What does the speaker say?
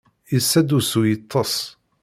Yessa-d usu yeṭṭes.